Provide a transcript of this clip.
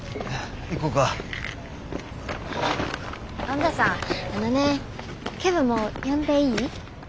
あのねケビンも呼んでいい？